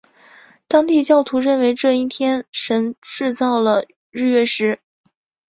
当地教徒认为这一天神制造了日月食。